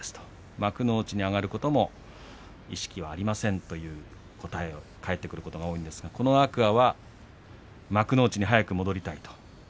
幕内に上がることも意識はありませんという答えを返されることも多いんですがこの天空海は、幕内に早く戻りたいと。